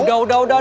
udah udah udah